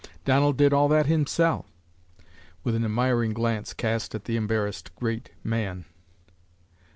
Donald did all that himsel'," with an admiring glance cast at the embarrassed great man.